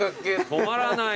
止まらない。